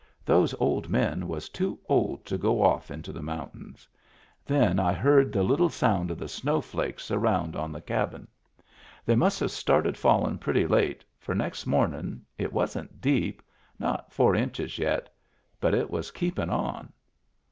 Those old men was too old to go off into the mountains. Then I heard the little Digitized by Google 262 MEMBERS OF THE FAMILY sound of the snowflakes around on the cabin. They must have started fallin* pretty late, for next momin* it wasn't deep, not four inches yet, but it was keepin* on.